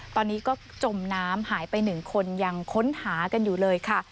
ตอนนี้ก็จมน้ำหายไป๑คนยังค้นหากันอยู่เลยค่ะ